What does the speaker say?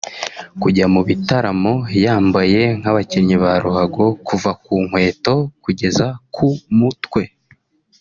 Kujya mu bitaramo yambaye nk’abakinnyi ba ruhago kuva ku nkweto kugeza ku mutwe